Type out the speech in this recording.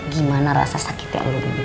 gimana rasa sakit yang lu dengerin